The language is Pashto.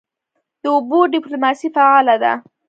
د اوبو ډیپلوماسي فعاله ده؟